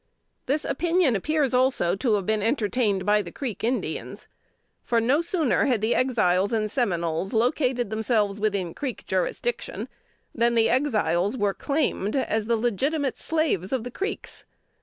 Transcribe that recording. This opinion appears also to have been entertained by the Creek Indians; for no sooner had the Exiles and Seminoles located themselves within Creek jurisdiction, than the Exiles were claimed as the legitimate slaves of the Creeks.